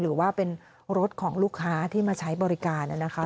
หรือว่าเป็นรถของลูกค้าที่มาใช้บริการนะคะ